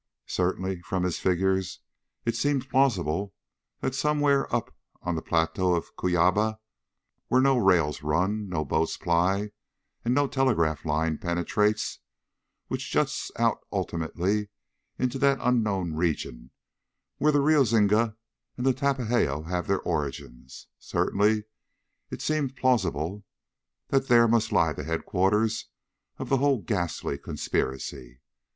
Certainly, from his figures, it seemed plausible that somewhere up on the Plateau of Cuyaba where no rails run, no boats ply, and no telegraph line penetrates; which juts out ultimately into that unknown region where the Rio Zingu and the Tapajoz have their origins certainly it seemed plausible that there must lie the headquarters of the whole ghastly conspiracy.